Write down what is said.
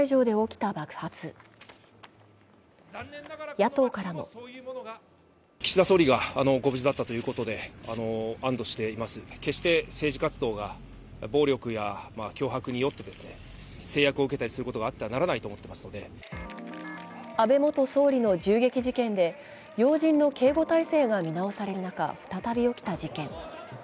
野党からも安倍元総理の銃撃事件で要人の警護体制が見直される中再び起きた事件。